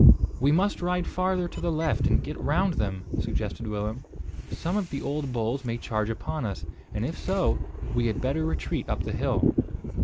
"We must ride farther to the left and get round them," suggested Willem. "Some of the old bulls may charge upon us, and, if so, we had better retreat up the hill."